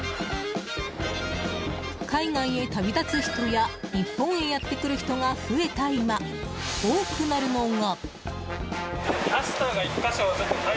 海外へ旅立つ人や日本へやってくる人が増えた今多くなるのが。